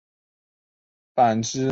坂之上站指宿枕崎线的铁路车站。